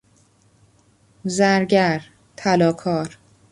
زرگر، طلا کار